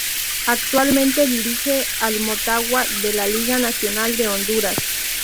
Actualmente dirige al Motagua de la Liga Nacional de Honduras.